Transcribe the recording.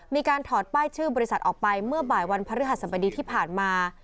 ถอดป้ายชื่อบริษัทออกไปเมื่อบ่ายวันพระฤหัสบดีที่ผ่านมา